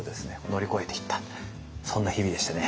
乗り越えていったそんな日々でしたね。